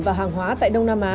và hàng hóa tại đông nam á